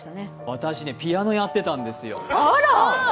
私ね、ピアノやってたんですよ。